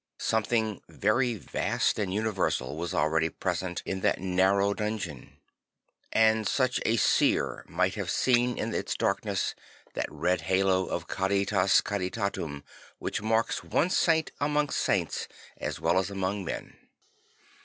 Something very vast and universal was already present in that narrow dungeon; and such a seer lnigh t have seen in its darkness that red halo of car?las caritatum which marks one saint among saints as well as among men.